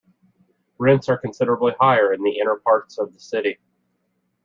Rents are considerably higher in the inner parts of the city.